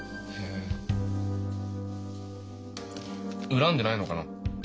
恨んでないのかな？